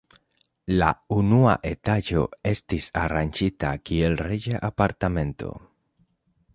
La unua etaĝo estis aranĝita kiel reĝa apartamento.